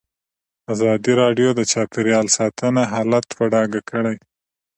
ازادي راډیو د چاپیریال ساتنه حالت په ډاګه کړی.